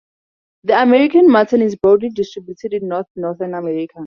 The American marten is broadly distributed in northern North America.